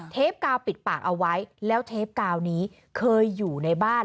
กาวปิดปากเอาไว้แล้วเทปกาวนี้เคยอยู่ในบ้าน